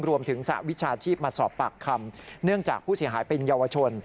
สหวิชาชีพมาสอบปากคำเนื่องจากผู้เสียหายเป็นเยาวชน